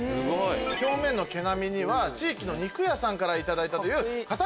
表面の毛並みには地域の肉屋さんから頂いた。